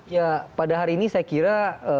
ya pada hari ini saya kira